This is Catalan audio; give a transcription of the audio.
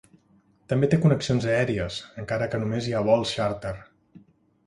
També té connexions aèries, encara que només hi ha vols xàrter.